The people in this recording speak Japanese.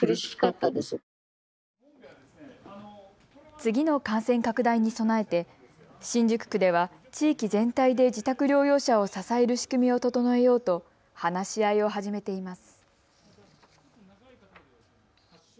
次の感染拡大に備えて新宿区では地域全体で自宅療養者を支える仕組みを整えようと話し合いを始めています。